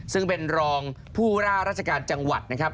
ซึ่งเป็นรองผู้ว่าราชการจังหวัดนะครับ